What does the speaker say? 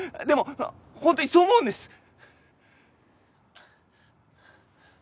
でも本当にそう思うんです！